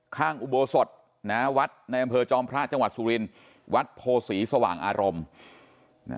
อุโบสถนะวัดในอำเภอจอมพระจังหวัดสุรินวัดโพศีสว่างอารมณ์